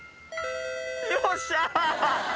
よっしゃ。